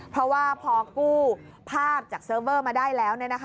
เพราะว่าพอกู้ภาพจากเซิร์ฟเวอร์มาได้แล้ว